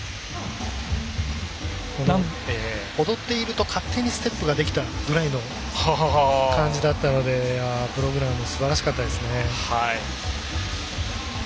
踊っていると勝手にステップができたというぐらいの感じだったのでプログラムすばらしかったですね。